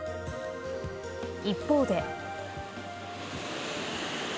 一方で。